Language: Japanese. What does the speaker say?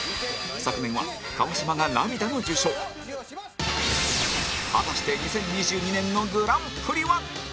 昨年は、川島が涙の受賞果たして２０２２年のグランプリは？